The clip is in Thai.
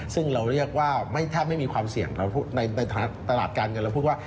ซึ่งเราเรียกว่าถ้าไม่มีความเสี่ยงเราในตลาดการเงินเราพูดว่า